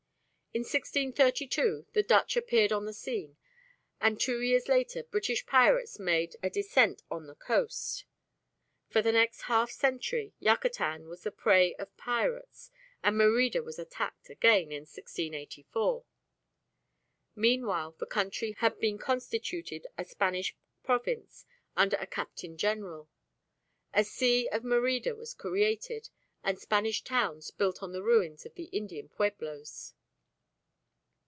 In 1632 the Dutch appeared on the scene, and two years later British pirates made a descent on the coast. For the next half century Yucatan was the prey of pirates, and Merida was attacked again in 1684. Meanwhile the country had been constituted a Spanish province under a Captain General; a see of Merida was created, and Spanish towns built on the ruins of the Indian pueblos.